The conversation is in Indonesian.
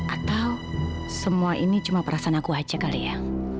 atau semua ini cuma perasaan aku aja kali ya